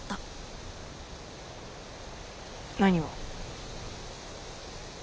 何を？